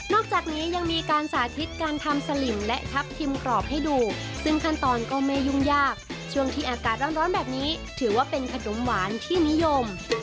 จากนี้ยังมีการสาธิตการทำสลิมและทับทิมกรอบให้ดูซึ่งขั้นตอนก็ไม่ยุ่งยากช่วงที่อากาศร้อนแบบนี้ถือว่าเป็นขนมหวานที่นิยม